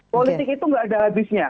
politik itu nggak ada habisnya